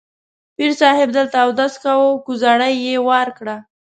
پیر صاحب دلته اودس کاوه، کوزړۍ یې وار کړه.